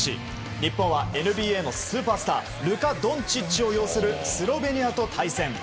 日本はＮＢＡのスーパースタールカ・ドンチッチを擁するスロベニアと対戦。